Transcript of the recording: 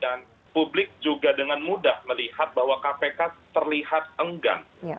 publik juga dengan mudah melihat bahwa kpk terlihat enggan